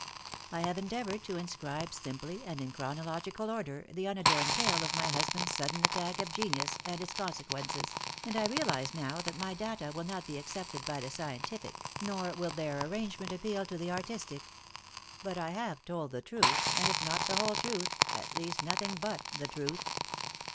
I have endeavored to inscribe simply and in chronological order the unadorned tale of my husband's sudden attack of genius and its consequences, and I realize now that my data will not be accepted by the scientific, nor will their arrangement appeal to the artistic. But I have told the truth, and if not the whole truth, at least nothing but the truth.